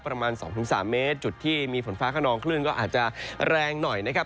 ประมาณ๒๓เมตรจุดที่มีฝนฟ้าขนองคลื่นก็อาจจะแรงหน่อยนะครับ